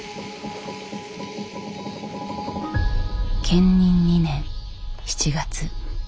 建仁２年７月。